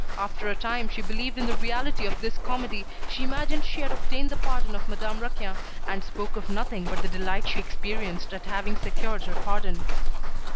After a time, she believed in the reality of this comedy, she imagined she had obtained the pardon of Madame Raquin, and spoke of nothing but the delight she experienced at having secured her pardon.